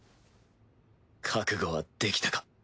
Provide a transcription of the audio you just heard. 覚悟はできたか？